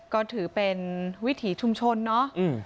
ก็ถือเป็นวิถีชุมชนเนาะ